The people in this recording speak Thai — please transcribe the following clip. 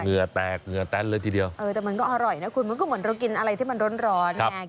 เหือแตกเหงื่อแตนเลยทีเดียวเออแต่มันก็อร่อยนะคุณมันก็เหมือนเรากินอะไรที่มันร้อนร้อนไง